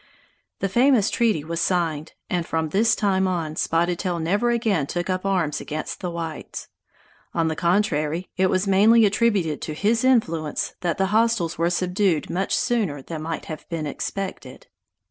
The famous treaty was signed, and from this time on Spotted Tail never again took up arms against the whites. On the contrary, it was mainly attributed to his influence that the hostiles were subdued much sooner than might have been expected.